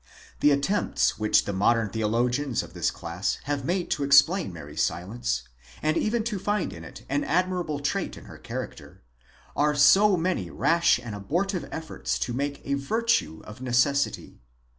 'The attempts which the modern theologians of this class have made to explain Mary's silence, and even to find in it an admirable trait in her character, are so many rash and abortive efforts to make a virtue of necessity.